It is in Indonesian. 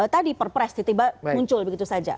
tadi perpres tiba tiba muncul begitu saja